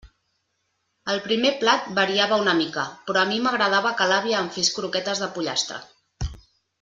El primer plat variava una mica, però a mi m'agradava que l'àvia em fes croquetes de pollastre.